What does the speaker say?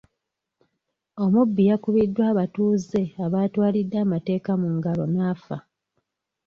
Omubbi yakubiddwa abatuuze abaatwalidde amateeka mu ngalo n'afa.